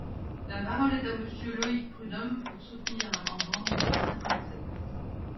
La parole est à Monsieur Loïc Prud’homme, pour soutenir l’amendement numéro cinquante-sept.